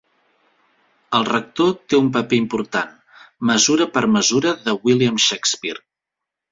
El Rector té un paper important "Mesura per mesura" de William Shakespeare.